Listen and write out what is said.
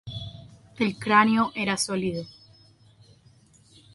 El cráneo era sólido.